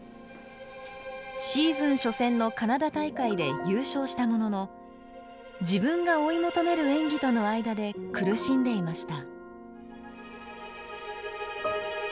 シーズン初戦のカナダ大会で優勝したものの自分が追い求める演技との間で苦しんでいました。